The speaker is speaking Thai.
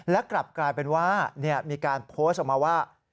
และกลับกลายเป็นว่ามีการโพสต์ออกมาว่า